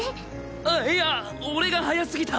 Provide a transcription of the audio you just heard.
あっいや俺が早すぎた！